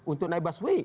untuk naik busway